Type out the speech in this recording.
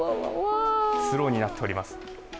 スローになっております。